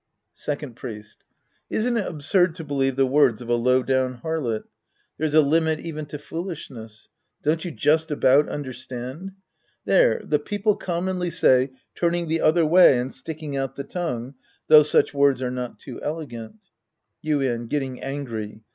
Second Priest. Isn't it absurd to believe the words of a low down harlot ? There's a limit even to foolish ness. Don't you just about understand? There, the people commonly say " turning the other way and sticking out the tongue," though such words are not too elegant. Yuien {getting angry).